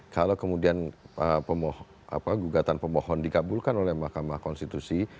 kalau kemudian gugatan pemohon dikabulkan oleh mahkamah konstitusi